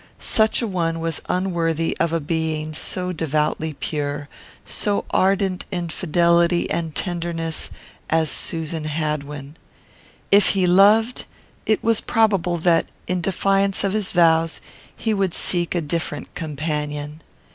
Such a one was unworthy of a being so devoutly pure, so ardent in fidelity and tenderness, as Susan Hadwin. If he loved, it was probable that, in defiance of his vows, he would seek a different companion.